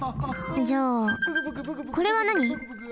じゃあこれはなに？